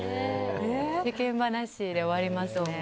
世間話で終わりますね。